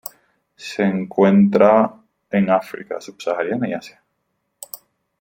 Se encuentra en África subsahariana y Asia.